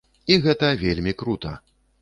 І гэта вельмі крута.